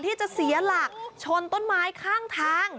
ที่จะเสียหลักชนต้นไม้ข้างทาง